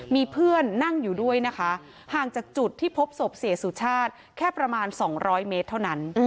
มีเพื่อนนั่งอยู่ด้วยนะคะห่างจากจุดที่พบศพเสียสุชาติแค่ประมาณ๒๐๐เมตรเท่านั้น